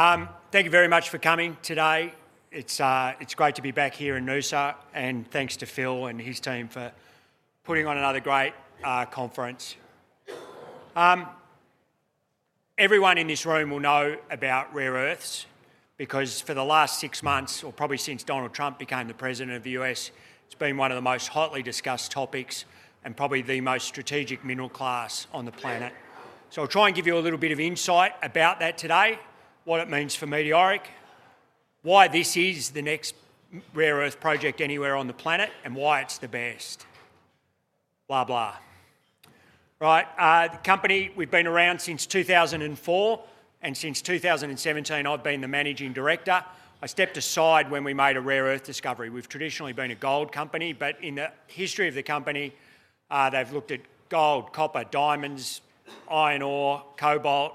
Thank you very much for coming today. It's great to be back here in Noosa, and thanks to Phil and his team for putting on another great conference. Everyone in this room will know about rare earths because for the last six months, or probably since Donald Trump became the President of the U.S., it's been one of the most hotly discussed topics and probably the most strategic mineral class on the planet. I will try and give you a little bit of insight about that today, what it means for Meteoric, why this is the next rare earth project anywhere on the planet, and why it's the best. Blah, blah. Right, the company, we've been around since 2004, and since 2017 I've been the Managing Director. I stepped aside when we made a rare earth discovery. We've traditionally been a gold company, but in the history of the company, they've looked at gold, copper, diamonds, iron ore, cobalt,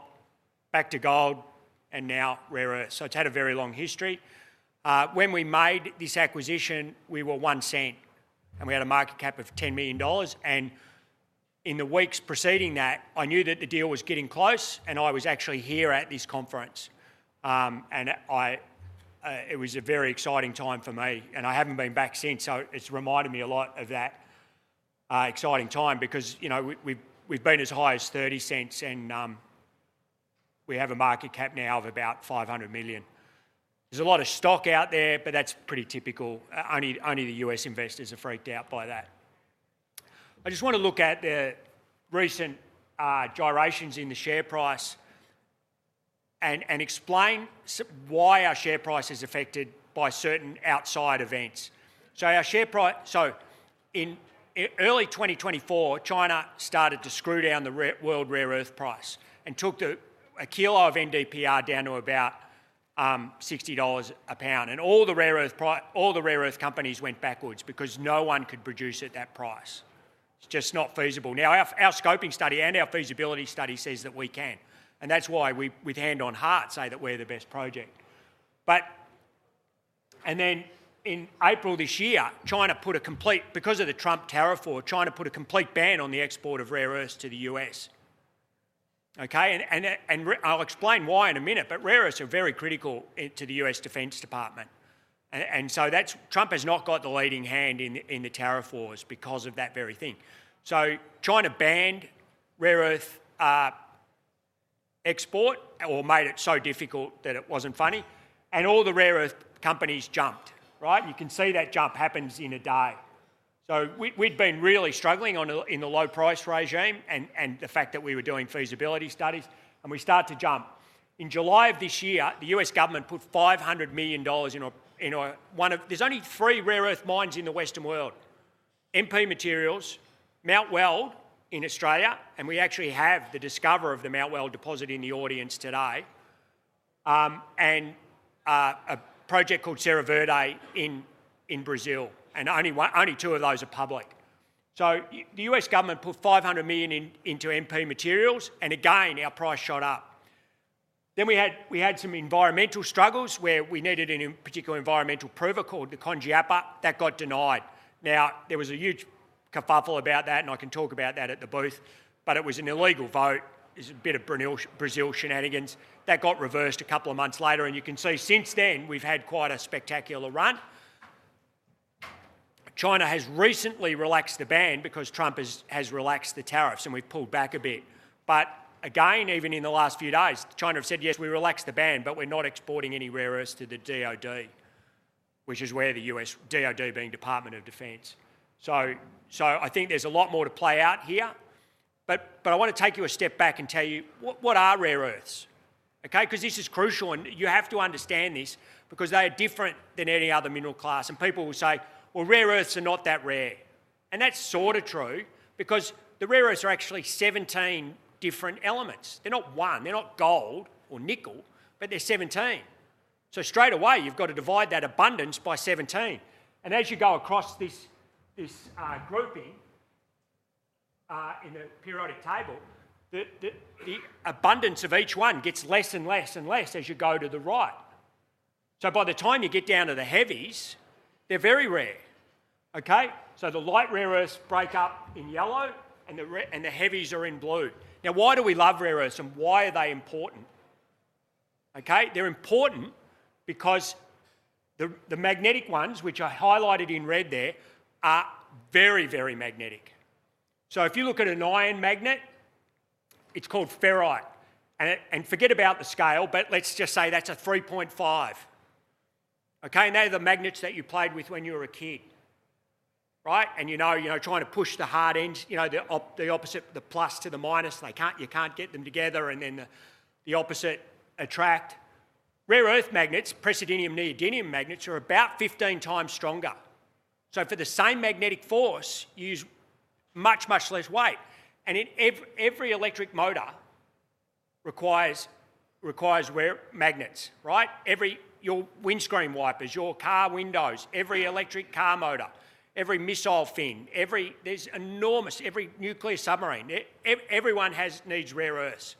back to gold, and now rare earths. It has had a very long history. When we made this acquisition, we were $0.01, and we had a market cap of $10 million. In the weeks preceding that, I knew that the deal was getting close, and I was actually here at this conference. It was a very exciting time for me, and I haven't been back since, so it has reminded me a lot of that exciting time because, you know, we've been as high as $0.30, and we have a market cap now of about 500 million. There's a lot of stock out there, but that's pretty typical. Only the U.S. investors are freaked out by that. I just want to look at the recent gyrations in the share price and explain why our share price is affected by certain outside events. Our share price, in early 2024, China started to screw down the world rare earth price and took a kilo of NdPr down to about $60 a pound. All the rare earth companies went backwards because no one could produce at that price. It's just not feasible. Now, our scoping study and our feasibility study say that we can, and that's why we, with hand on heart, say that we're the best project. In April this year, because of the Trump tariff war, China put a complete ban on the export of rare earths to the U.S. I'll explain why in a minute, but rare earths are very critical to the U.S. Defense Department. That's, Trump has not got the leading hand in the tariff wars because of that very thing. China banned rare earth export or made it so difficult that it wasn't funny, and all the rare earth companies jumped, right? You can see that jump happens in a day. We had been really struggling in the low price regime and the fact that we were doing feasibility studies, and we start to jump. In July of this year, the U.S. government put $500 million in a, one of, there's only three rare earth mines in the Western world: MP Materials, Mount Weld in Australia, and we actually have the discovery of the Mount Weld deposit in the audience today, and a project called Serra Verde in Brazil, and only two of those are public. The U.S. government put 500 million into MP Materials, and again, our price shot up. Then we had some environmental struggles where we needed a particular environmental approval called the Konjiappa that got denied. Now, there was a huge kerfuffle about that, and I can talk about that at the booth, but it was an illegal vote. It's a bit of Brazil shenanigans. That got reversed a couple of months later, and you can see since then we've had quite a spectacular run. China has recently relaxed the ban because Trump has relaxed the tariffs, and we've pulled back a bit. Again, even in the last few days, China have said, yes, we relaxed the ban, but we're not exporting any rare earths to the DOD, which is where the U.S. DOD being Department of Defense. I think there's a lot more to play out here, but I want to take you a step back and tell you what are rare earths, okay? Because this is crucial, and you have to understand this because they are different than any other mineral class. People will say, well, rare earths are not that rare. That's sort of true because the rare earths are actually 17 different elements. They're not one. They're not gold or nickel, but they're 17. Straight away, you've got to divide that abundance by 17. As you go across this grouping in the periodic table, the abundance of each one gets less and less and less as you go to the right. By the time you get down to the heavies, they're very rare, okay? The light rare earths break up in yellow, and the heavies are in blue. Now, why do we love rare earths, and why are they important? Okay, they're important because the magnetic ones, which are highlighted in red there, are very, very magnetic. If you look at an iron magnet, it's called ferrite. And forget about the scale, but let's just say that's a 3.5, okay? They're the magnets that you played with when you were a kid, right? You know, trying to push the hard ends, you know, the opposite, the plus to the minus, they can't, you can't get them together, and then the opposite attract. Rare earth magnets, neodymium-praseodymium magnets are about 15 times stronger. For the same magnetic force, you use much, much less weight. Every electric motor requires magnets, right? Every, your windscreen wipers, your car windows, every electric car motor, every missile fin, every, there is enormous, every nuclear submarine, everyone needs rare earths.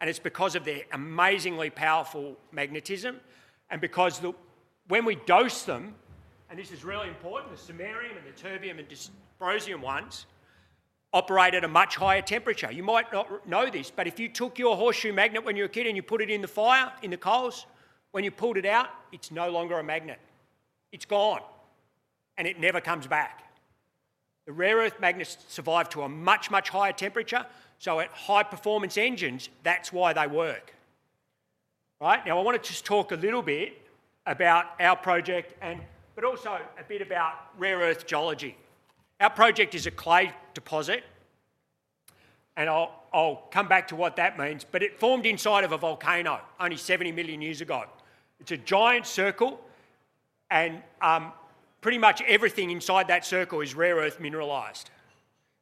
It is because of their amazingly powerful magnetism and because when we dose them, and this is really important, the samarium and the terbium and dysprosium ones operate at a much higher temperature. You might not know this, but if you took your horseshoe magnet when you were a kid and you put it in the fire, in the coals, when you pulled it out, it is no longer a magnet. It is gone, and it never comes back. The rare earth magnets survive to a much, much higher temperature, so at high performance engines, that is why they work, right? Now, I want to just talk a little bit about our project, but also a bit about rare earth geology. Our project is a clay deposit, and I'll come back to what that means, but it formed inside of a volcano only 70 million years ago. It's a giant circle, and pretty much everything inside that circle is rare earth mineralized.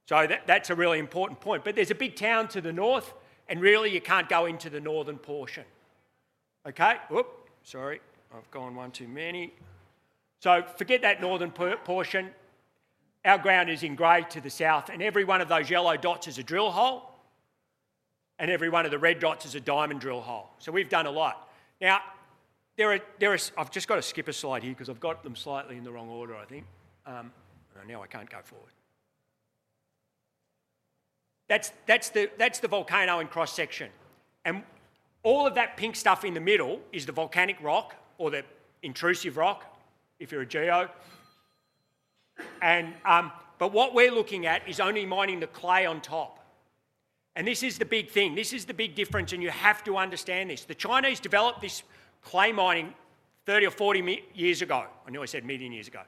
That's a really important point. There is a big town to the north, and really you can't go into the northern portion, okay? Oop, sorry, I've gone one too many. Forget that northern portion. Our ground is engraved to the south, and every one of those yellow dots is a drill hole, and every one of the red dots is a diamond drill hole. We've done a lot. I've just got to skip a slide here because I've got them slightly in the wrong order, I think. Now I can't go forward. That's the volcano in cross-section. All of that pink stuff in the middle is the volcanic rock or the intrusive rock, if you're a geo. What we're looking at is only mining the clay on top. This is the big thing. This is the big difference, and you have to understand this. The Chinese developed this clay mining 30 or 40 years ago. I knew I said million years ago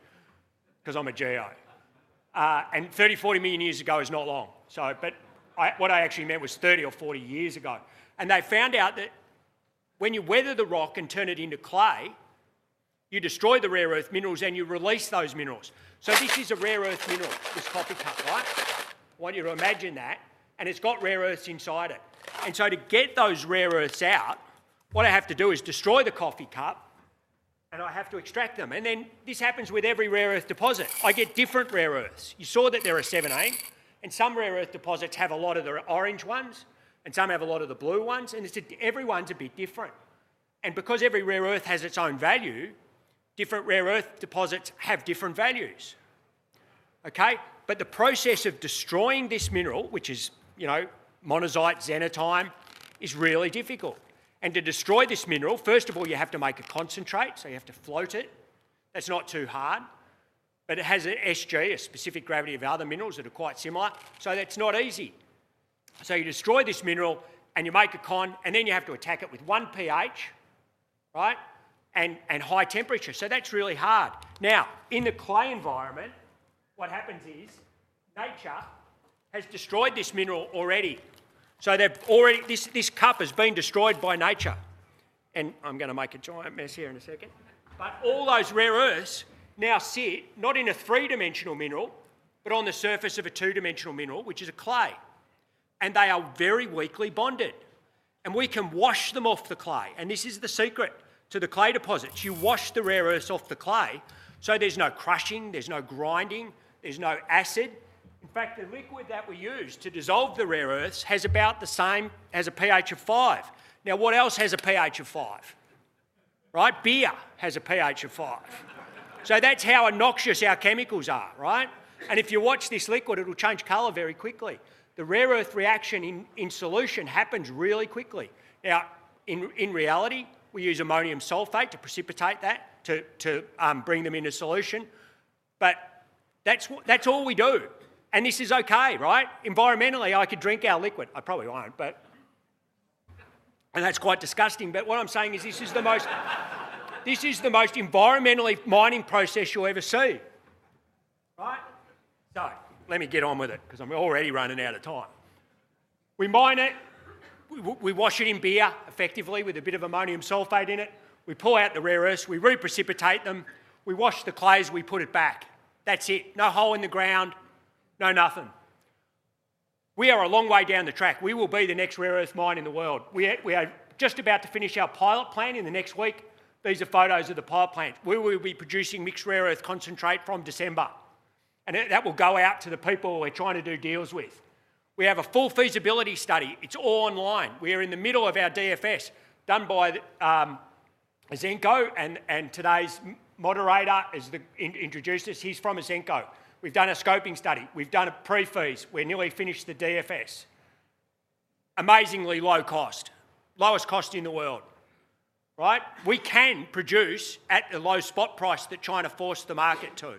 because I'm a geo. 30 or 40 million years ago is not long. What I actually meant was 30 or 40 years ago. They found out that when you weather the rock and turn it into clay, you destroy the rare earth minerals and you release those minerals. This is a rare earth mineral, this coffee cup, right? I want you to imagine that. It's got rare earths inside it. To get those rare earths out, what I have to do is destroy the coffee cup, and I have to extract them. This happens with every rare earth deposit. I get different rare earths. You saw that there are seven, eight, and some rare earth deposits have a lot of the orange ones, and some have a lot of the blue ones, and every one's a bit different. Because every rare earth has its own value, different rare earth deposits have different values, okay? The process of destroying this mineral, which is, you know, monazite, xenotime, is really difficult. To destroy this mineral, first of all, you have to make a concentrate, so you have to float it. That's not too hard. It has an SG, a specific gravity of other minerals that are quite similar, so that's not easy. You destroy this mineral and you make a con, and then you have to attack it with one pH, right? And high temperature. That is really hard. Now, in the clay environment, what happens is nature has destroyed this mineral already. They have already, this cup has been destroyed by nature. I am going to make a giant mess here in a second. All those rare earths now sit, not in a three-dimensional mineral, but on the surface of a two-dimensional mineral, which is a clay. They are very weakly bonded. We can wash them off the clay. This is the secret to the clay deposits. You wash the rare earths off the clay, so there is no crushing, there is no grinding, there is no acid. In fact, the liquid that we use to dissolve the rare earths has about the same as a pH of five. Now, what else has a pH of five? Right? Beer has a pH of five. That is how noxious our chemicals are, right? If you watch this liquid, it will change color very quickly. The rare earth reaction in solution happens really quickly. In reality, we use ammonium sulfate to precipitate that, to bring them into solution. That is all we do. This is okay, right? Environmentally, I could drink our liquid. I probably will not, but that is quite disgusting. What I am saying is this is the most, this is the most environmentally mining process you will ever see, right? Let me get on with it because I am already running out of time. We mine it, we wash it in beer effectively with a bit of ammonium sulfate in it. We pull out the rare earths, we re-precipitate them, we wash the clays, we put it back. That's it. No hole in the ground, no nothing. We are a long way down the track. We will be the next rare earth mine in the world. We are just about to finish our pilot plant in the next week. These are photos of the pilot plant. We will be producing mixed rare earth concentrate from December. That will go out to the people we're trying to do deals with. We have a full feasibility study. It's all online. We are in the middle of our DFS done by Ausenco, and today's moderator introduced us. He's from Ausenco. We've done a scoping study. We've done a pre-phase. We're nearly finished the DFS. Amazingly low cost. Lowest cost in the world, right? We can produce at the low spot price that China forced the market to.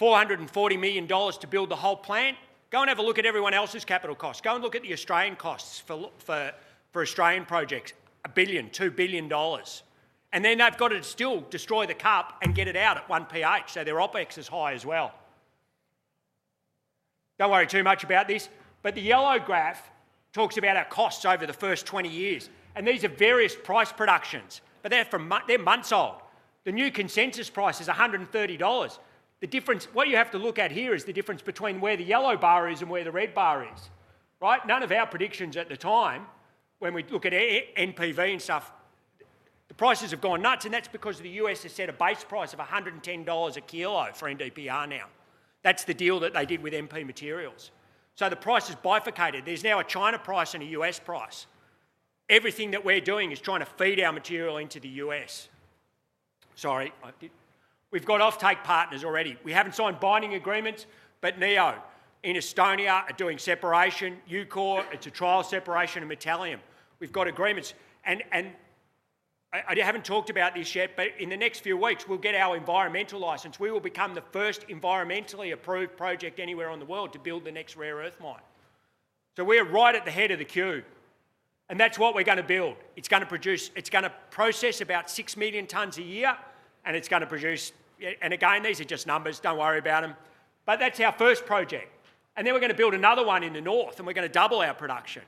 $440 million to build the whole plant. Go and have a look at everyone else's capital costs. Go and look at the Australian costs for Australian projects. A billion, $2 billion. And then they've got to still destroy the cup and get it out at one pH. So their OpEx is high as well. Do not worry too much about this. The yellow graph talks about our costs over the first 20 years. These are various price productions, but they are months old. The new consensus price is $130. The difference, what you have to look at here is the difference between where the yellow bar is and where the red bar is, right? None of our predictions at the time, when we look at NPV and stuff, the prices have gone nuts, and that is because the U.S. has set a base price of $110 a kilo for NdPr now. That's the deal that they did with MP Materials. So the price has bifurcated. There's now a China price and a U.S. price. Everything that we're doing is trying to feed our material into the U.S. Sorry. We've got off-take partners already. We haven't signed binding agreements, but NEO in Estonia are doing separation. Ucore, it's a trial separation of methaleum. We've got agreements. And I haven't talked about this yet, but in the next few weeks, we'll get our environmental license. We will become the first environmentally approved project anywhere in the world to build the next rare earth mine. We are right at the head of the queue. That's what we're going to build. It's going to produce, it's going to process about 6 million tons a year, and it's going to produce, and again, these are just numbers. Don't worry about them. That is our first project. Then we are going to build another one in the north, and we are going to double our production.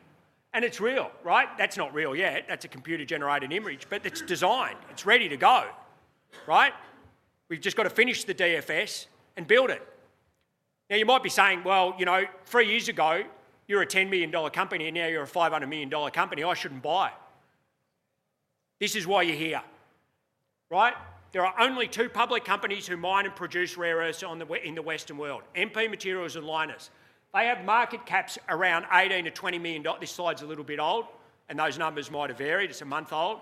It is real, right? That is not real yet. That is a computer-generated image, but it is designed. It is ready to go, right? We have just got to finish the DFS and build it. Now, you might be saying, you know, three years ago, you are a $10 million company, and now you are a $500 million company. I should not buy it. This is why you are here, right? There are only two public companies who mine and produce rare earths in the Western world, MP Materials and Lynas. They have market caps around $18 million to $20 million. This slide is a little bit old, and those numbers might have varied. It is a month old.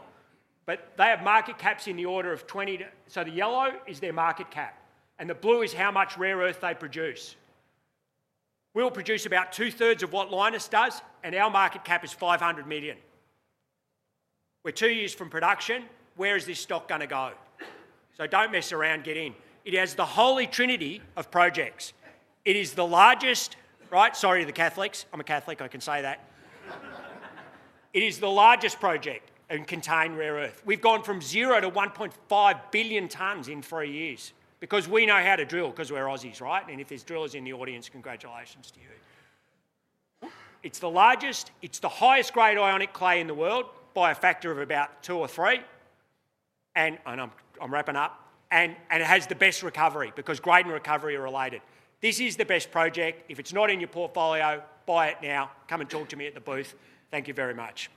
But they have market caps in the order of $20 million. The yellow is their market cap, and the blue is how much rare earth they produce. We'll produce about two-thirds of what Lynas does, and our market cap is 500 million. We're two years from production. Where is this stock going to go? Don't mess around, get in. It has the holy trinity of projects. It is the largest, right? Sorry to the Catholics. I'm a Catholic. I can say that. It is the largest project in contained rare earth. We've gone from zero to 1.5 billion tons in three years because we know how to drill because we're Aussies, right? If there's drillers in the audience, congratulations to you. It's the largest, it's the highest grade ionic clay in the world by a factor of about two or three. I'm wrapping up. It has the best recovery because grade and recovery are related. This is the best project. If it's not in your portfolio, buy it now. Come and talk to me at the booth. Thank you very much.